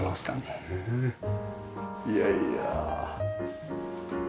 いやいや。